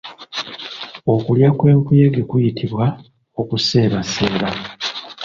Okulya kwenkuyege kuyitibw Okuseebaseeba.